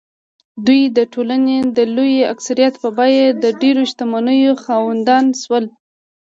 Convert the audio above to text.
دوی د ټولنې د لوی اکثریت په بیه د ډېرو شتمنیو خاوندان شول.